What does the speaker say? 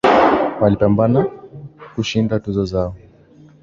Walipambana kushinda tuzo zile